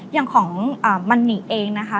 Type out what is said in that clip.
อย่างของมันหิเองนะคะ